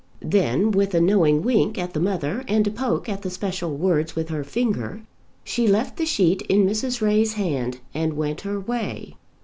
Then, with a knowing wink at the mother, and a poke at the special words with her finger, she left the sheet in Mrs. Ray's hand, and went her way.